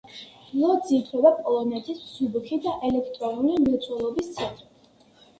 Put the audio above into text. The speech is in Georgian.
ლოძი ითვლება პოლონეთის მსუბუქი და ელექტრონული მრეწველობის ცენტრად.